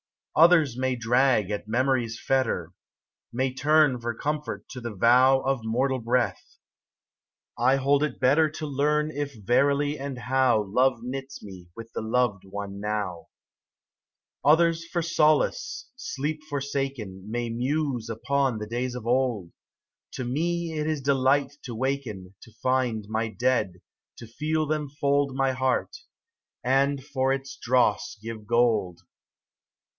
OTHERS may drag at memory's fetter. May turn for comfort to the vow Of mortal breath ; I hold it better To learn if verily and how Love knits me with the loved one now. Others for solace, sleep forsaken. May muse upon the days of old ; To me it is delight to waken, To find my Dead, to feel them fold My heart, and for its dross give gold.